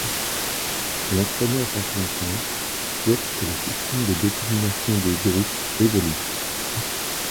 L'entraineur argentin souhaite que le système de détermination des groupes évolue.